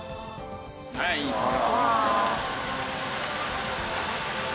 ああいいですね。